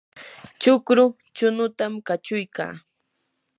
chukru chunutam kachuykaa.